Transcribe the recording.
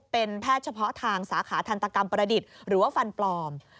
เป็นแพทย์เฉพาะทางสาขาทันตกรรมประดิษฐ์หรือว่าฟันปลอม